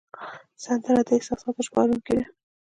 سندره د احساساتو ژباړونکی ده